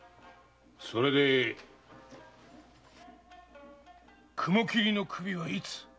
それで雲切の首はいつ？